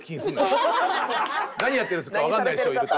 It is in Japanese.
何やってるかわかんない人いると。